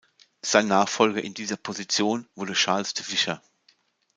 Sein Nachfolger in dieser Position wurde Charles De Visscher.